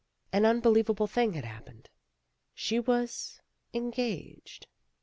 An unbelievable thing had happened. She was engaged.